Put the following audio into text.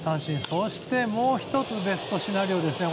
そしてもう１つベストシナリオですね。